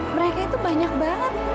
mereka itu banyak banget